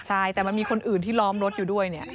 ใช่แต่มันมีคนอื่นที่ล้อมรถอยู่ด้วยเนี่ย